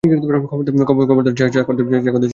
খবরদার চকের সামনে কাদবে না।